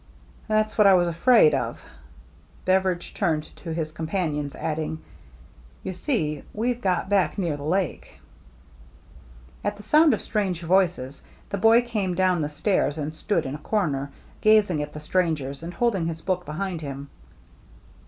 " That's what I was afraid of." Beveridge turned to his companions, adding, " You see, we've got back near the lake." At the sound of strange voices, the boy came down the stairs and stood in a corner, gazing at the strangers, and holding his book behind him.